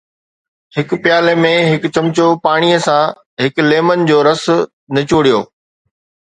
هڪ پيالي ۾ هڪ چمچو پاڻي سان هڪ ليمن جو رس نچوڙيو